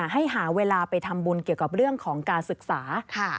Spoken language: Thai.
ให้หาเวลาไปทำบุญเกี่ยวกับเรื่องของการศึกษา